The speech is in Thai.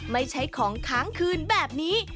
ไม่ใช่ของค้างคืนแบบนี้